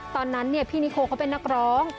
ตอนนั้นพี่นิโคเขาเป็นนักร้อง